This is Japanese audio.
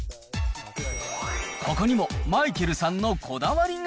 ここにもマイケルさんのこだわりが。